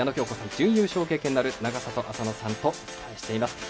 純優勝経験のある永里亜紗乃さんとお伝えしています。